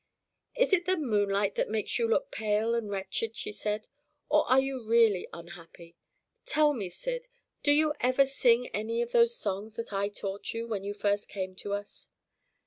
"Is it the moonlight that makes you look pale and wretched?" she said. "Or are you really unhappy? Tell me, Syd, do you ever sing any of those songs that I taught you, when you first came to us?"